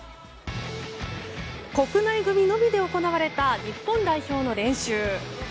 国内組のみで行われた日本代表の練習。